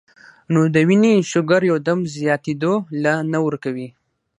نو د وينې شوګر يو دم زياتېدو له نۀ ورکوي -